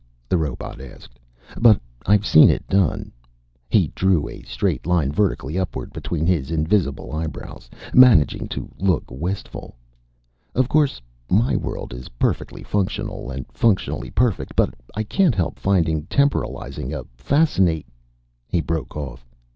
the robot asked. "But I've seen it done." He drew a straight line vertically upward between his invisible eyebrows, managing to look wistful. "Of course my world is perfectly functional and functionally perfect, but I can't help finding temporalizing a fascina " He broke off.